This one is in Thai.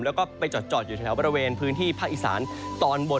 แล้วก็ไปจอดอยู่แถวบริเวณพื้นที่ภาคอีสานตอนบน